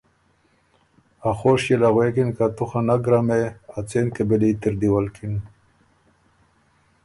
ا خوشيې له غوېکِن که تو خه نک ګرمې ا څېن قبيلي ت اِر دی ولکِن